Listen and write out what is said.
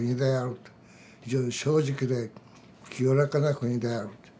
非常に正直で清らかな国である。